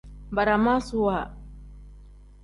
Baramaasuwa.